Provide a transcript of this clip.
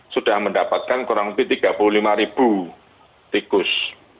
sudah mendapatkan kurang lebih tiga puluh lima ribu tikus